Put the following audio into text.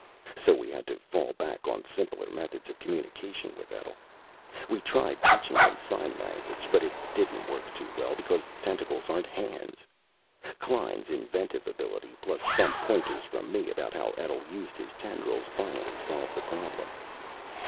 So we had to fall back on simpler methods of communication with Etl. We tried teaching him sign language, but it didn't work too well, because tentacles aren't hands. Klein's inventive ability, plus some pointers from me about how Etl used his tendrils, finally solved the problem.